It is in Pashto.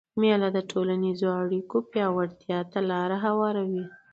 مېله د ټولنیزو اړیکو پیاوړتیا ته لاره هواروي.